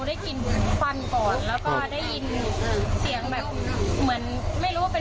แล้วก็ได้ยินเสียงแบบ